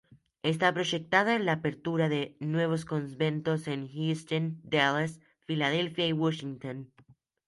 Está proyectada la apertura de nuevos conventos en Houston, Dallas, Filadelfia y Washington.